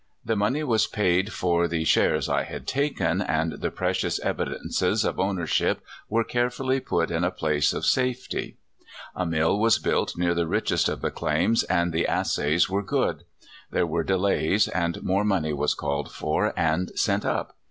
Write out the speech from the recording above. The money was paid for the shares I had taken, and the precious evi dences of ownership were carefully put in a place of safety. A mill was built near the richest of the claims, and the assays were good. There were Mr MINING SPECULATION. 163 delays, and more money was called for, and sent up.